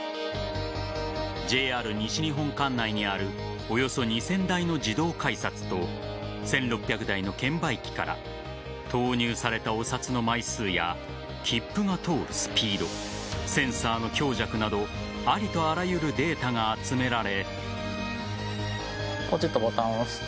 ＪＲ西日本管内にあるおよそ２０００台の自動改札と１６００台の券売機から投入されたお札の枚数や切符が通るスピードセンサーの強弱などありとあらゆるデータが集められ。